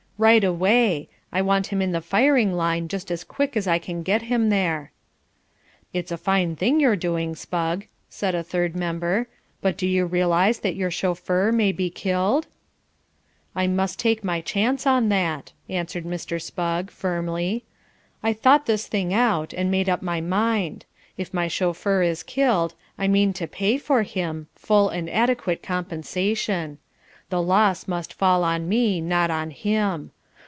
"Right away. I want him in the firing line just as quick as I can get him there." "It's a fine thing you're doing, Spugg," said a third member, "but do you realise that your chauffeur may be killed?" "I must take my chance on that," answered Mr. Spugg, firmly. "I've thought this thing out and made up my mind: If my chauffeur is killed, I mean to pay for him, full and adequate compensation. The loss must fall on me, not on him.